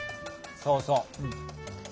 そうそう。